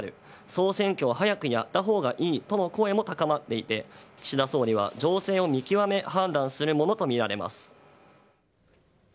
総選挙を早くやったほうがいいとの声も高まっていて、岸田総理は、情勢を見極め、判断するものと見られます。